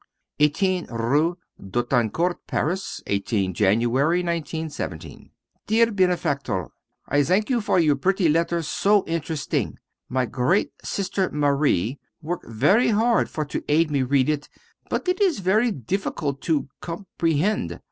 18 rue d'Autancourt, Paris 18 Jan, 1917. Dear Benefactor: I thank you for your pretty letter so interesting. My great sister Marie work very hard for to aid me read it, but it is very difficult to comprehend.